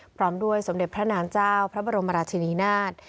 พร้อมด้วยสมเด็จพระนางเจ้าพระบรมราชินีนาฏ